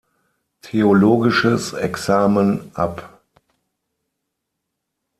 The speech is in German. Theologisches Examen ab.